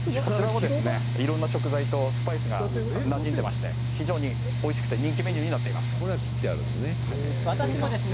いろんな食材とスパイスがなじんでいまして非常においしくてこれは切ってあるのね？